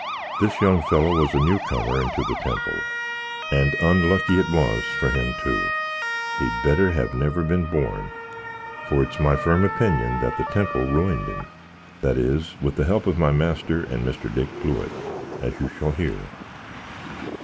This young fellow was a new comer into the Temple, and unlucky it was for him too he'd better have never been born; for its my firm apinion that the Temple ruined him that is, with the help of my master and Mr. Dick Blewitt, as you shall hear.